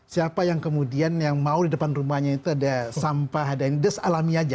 siapa yang kemudian yang mau di depan rumahnya itu ada sampah ada indes alami aja